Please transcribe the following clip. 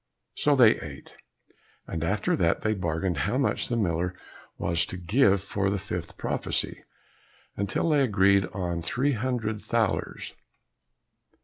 So they ate, and after that they bargained how much the miller was to give for the fifth prophesy, until they agreed on three hundred thalers.